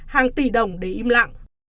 hàng tỷ đồng để im lặng